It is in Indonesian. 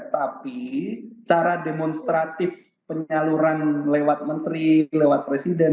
tapi cara demonstratif penyaluran lewat menteri lewat presiden